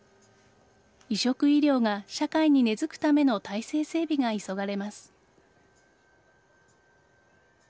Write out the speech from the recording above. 移植医療が社会に根付くための体制整備が急がれます。